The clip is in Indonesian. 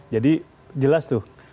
jadi jelas tuh